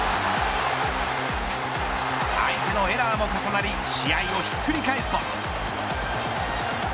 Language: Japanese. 相手のエラーも重なり試合をひっくり返すと。